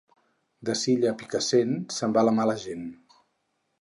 De Silla a Picassent, se'n va la mala gent.